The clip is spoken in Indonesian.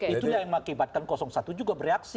itulah yang mengakibatkan satu juga bereaksi